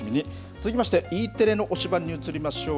続きまして、Ｅテレの推しバンに移りましょう。